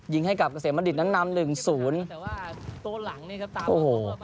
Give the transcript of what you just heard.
ยิงให้กับเกษมณฑิต้างนำหนึ่งศูนย์โอ้โห